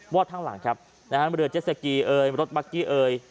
วอดทางหลังครับนะฮะมันเรือเจ็ดเซกีเอย์รถบัคกี้เอย์